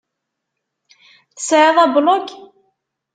Tesεiḍ ablug?